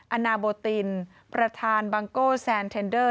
นานาโบตินประธานบังโก้แซนเทนเดอร์